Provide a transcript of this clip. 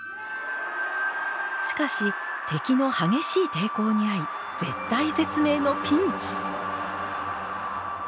しかし敵の激しい抵抗に遭い絶体絶命のピンチ！